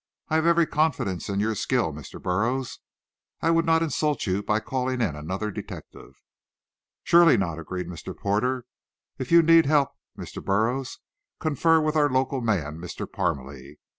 "I have every confidence in your skill, Mr. Burroughs; I would not insult you by calling in another detective." "Surely not," agreed Mr. Porter. "If you need help, Mr. Burroughs, confer with our local man, Mr. Parmalee.